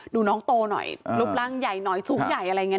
ดูน้องโตหน่อยรูปร่างใหญ่หน่อยสูงใหญ่อะไรอย่างนี้